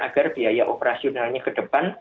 agar biaya operasionalnya ke depan